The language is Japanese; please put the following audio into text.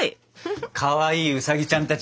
かわいいウサギちゃんたち